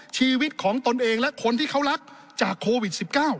ชีวิตของตนเองและคนที่เขารักจากโควิด๑๙